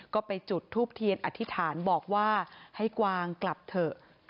ก็ไปจุดทูปเทียนอธิษฐานบอกว่าให้กวางกลับเถอะ